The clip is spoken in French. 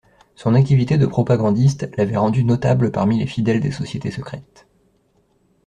Son activité de propagandiste l'avait rendu notable parmi les fidèles des sociétés secrètes.